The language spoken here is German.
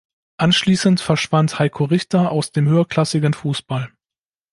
Anschließend verschwand Heiko Richter aus dem höherklassigen Fußball.